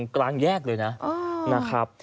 กลางแยกเลยนะครับ